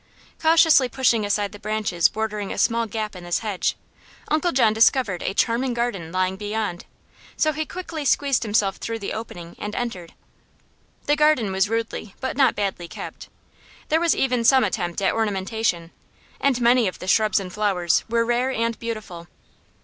Cautiously pushing aside the branches bordering a small gap in this hedge, Uncle John discovered a charming garden lying beyond, so he quickly squeezed himself through the opening and entered. The garden was rudely but not badly kept. There was even some attempt at ornamentation, and many of the shrubs and flowers were rare and beautiful.